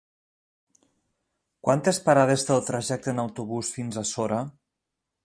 Quantes parades té el trajecte en autobús fins a Sora?